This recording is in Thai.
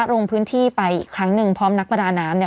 ลงพื้นที่ไปอีกครั้งหนึ่งพร้อมนักประดาน้ำ